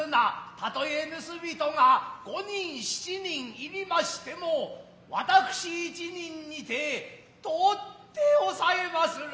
たとへ盗人が五人七人いりましても私一人にて取って押へまする。